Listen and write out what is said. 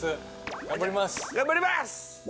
頑張ります！